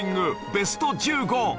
ベスト１５。